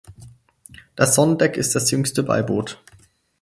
Das Sonnendeck ist das jüngste Beiboot.